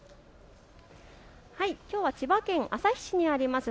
きょうは千葉県旭市にあります